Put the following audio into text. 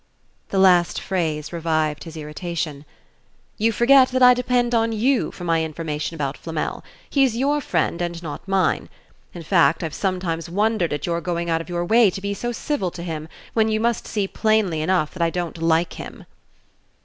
The last phrase revived his irritation. "You forget that I depend on you for my information about Flamel. He's your friend and not mine. In fact, I've sometimes wondered at your going out of your way to be so civil to him when you must see plainly enough that I don't like him."